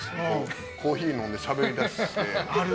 コーヒー飲んでしゃべり出して。